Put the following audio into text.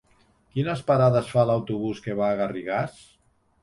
Quines parades fa l'autobús que va a Garrigàs?